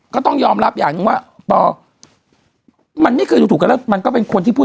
ก็ต้องยอมรับอย่างหนึ่งว่าปอมันไม่เคยดูถูกกันแล้วมันก็เป็นคนที่พูด